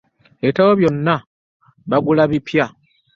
Ebitabo byonna bagula bipya.